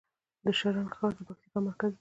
د شرن ښار د پکتیکا مرکز دی